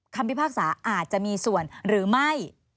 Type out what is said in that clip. พิพากษาอาจจะมีส่วนหรือไม่